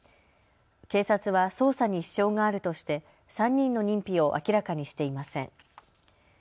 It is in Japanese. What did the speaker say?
警察は捜査に支障があるとして３人の認否を明らかにしていません。